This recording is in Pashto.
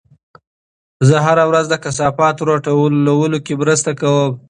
زه هره ورځ د کثافاتو راټولولو کې مرسته کوم.